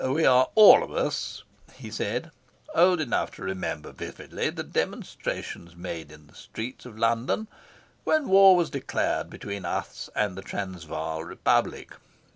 "We are all of us," he said, "old enough to remember vividly the demonstrations made in the streets of London when war was declared between us and the Transvaal Republic.